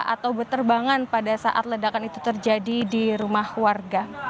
atau berterbangan pada saat ledakan itu terjadi di rumah warga